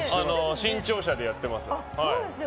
新潮社でやってます。